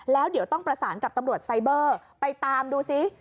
แล้วเดี๋ยวต้องประสานกับตำรวจไซเบอร์ไปตามดูซิ